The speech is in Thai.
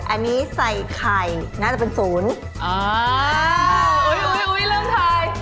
อันนี้ใส่ไข่น่าจะเป็นศูนย์อ้าวอุ้ยอุ้ยอุ้ยอุ้ย